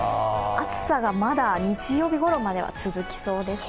暑さがまだ日曜日ころまで続きそうです。